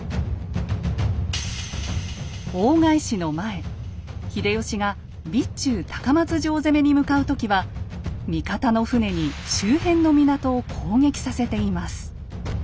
大返しの前秀吉が備中高松城攻めに向かう時は味方の船に周辺の港を攻撃させています。